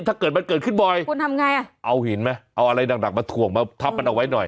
ถ้าเกิดมันเกิดขึ้นบ่อยคุณทำไงอ่ะเอาหินไหมเอาอะไรหนักมาถ่วงมาทับมันเอาไว้หน่อย